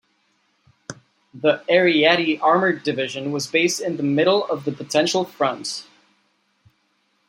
The "Ariete" Armored Division was based in the middle of the potential front.